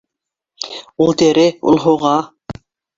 Ул тере, ул һуға!